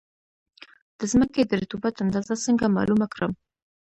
د ځمکې د رطوبت اندازه څنګه معلومه کړم؟